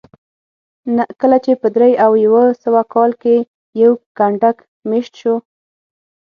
کله چې په درې او یو سوه کال کې یو کنډک مېشت شو